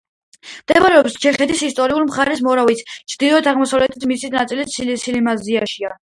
მდებარეობს ჩეხეთის ისტორიული მხარის მორავიის ჩრდილო-აღმოსავლეთით და მისი ნაწილი სილეზიაში.